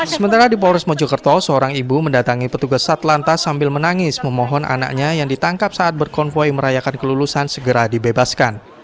sementara di polres mojokerto seorang ibu mendatangi petugas satlantas sambil menangis memohon anaknya yang ditangkap saat berkonvoy merayakan kelulusan segera dibebaskan